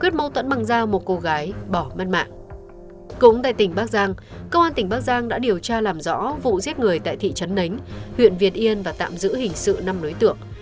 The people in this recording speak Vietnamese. cũng tại tỉnh bắc giang công an tỉnh bắc giang đã điều tra làm rõ vụ giết người tại thị trấn nánh huyện việt yên và tạm giữ hình sự năm đối tượng